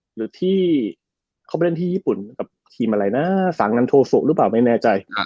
หรือที่เขาไปเล่นที่ญี่ปุ่นกับทีมอะไรนะสังนันโทสุหรือเปล่าไม่แน่ใจ